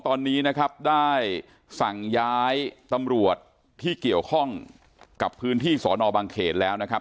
ตอนนี้นะครับได้สั่งย้ายตำรวจที่เกี่ยวข้องกับพื้นที่สอนอบางเขตแล้วนะครับ